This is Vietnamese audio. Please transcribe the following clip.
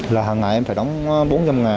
là hằng ngày em phải đóng bốn trăm linh ngàn